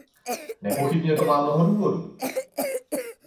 Nepochybně to má mnoho důvodů.